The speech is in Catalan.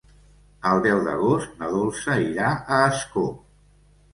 El deu d'agost na Dolça irà a Ascó.